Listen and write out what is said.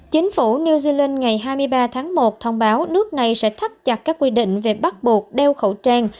chính phủ new zealand ngày hai mươi ba tháng một thông báo nước này sẽ thắt chặt các quy định về bắt buộc đeo khẩu trang